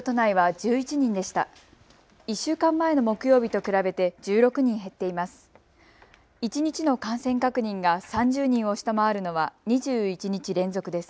１週間前の木曜日と比べて１６人減っています。